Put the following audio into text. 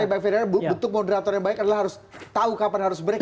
baik baik bentuk moderator yang baik adalah harus tahu kapan harus break